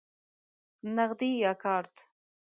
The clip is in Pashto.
نغدی یا کارت؟